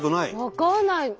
分かんない。